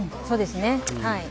そうですね。